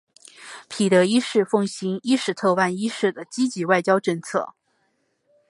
彼得一世奉行伊什特万一世的积极外交政策。